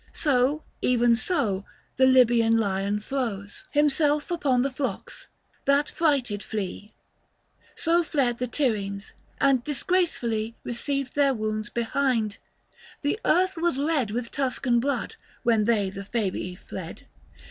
So, even so, the Libyan lion throws 40 THE FASTI. Book II. Himself upon the flocks, that frighted flee : So fled the Tyrrhenes, and disgracefully 215 Eeceived their wounds behind. The earth was red With Tuscan blood, when they the Fabii fled.